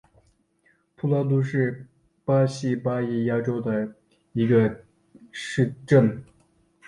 普拉杜是巴西巴伊亚州的一个市镇。